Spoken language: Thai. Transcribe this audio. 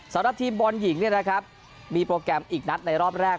สำหรับทีมบอลหญิงมีโปรแกรมอีกนัดในรอบแรก